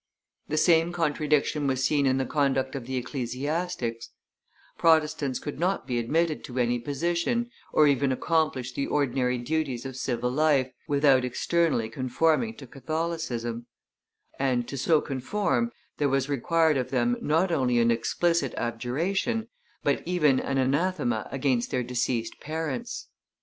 The same contradiction was seen in the conduct of the ecclesiastics: Protestants could not be admitted to any position, or even accomplish the ordinary duties of civil life, without externally conforming to Catholicism; and, to so conform, there was required of them not only an explicit abjuration, but even an anathema against their deceased parents.